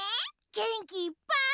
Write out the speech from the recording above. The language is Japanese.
げんきいっぱい。